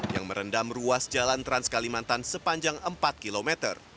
yang merendam ruas jalan trans kalimantan sepanjang empat km